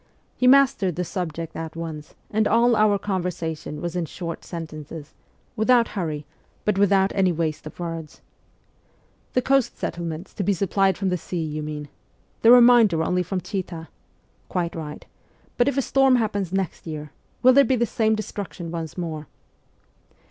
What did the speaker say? He mastered the subject at once, and all our conversation was in short sentences, without hurry, but without any waste of words. ' The coast settlements to be supplied from the sea, you mean ? The remainder only from Chita ? Quite right. But if a storm happens next year, will there be the same destruction once more